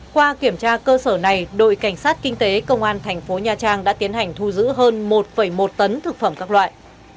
qua kiểm tra cơ sở này đội cảnh sát kinh tế công an thành phố nha trang đã tiến hành thu giữ hơn một một tấn thực phẩm các loại